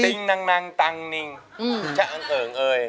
ติ๊งนังนังตังนิงเช่าเอิงเอย